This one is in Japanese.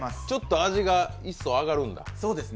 ちょっと味が一層上がるんだ。